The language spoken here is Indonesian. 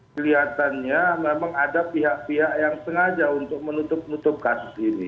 kelihatannya memang ada pihak pihak yang sengaja untuk menutup nutup kasus ini